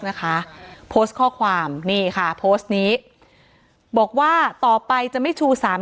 นะคะโพสต์ข้อความนี่ค่ะโพสต์นี้บอกว่าต่อไปจะไม่ชูสาม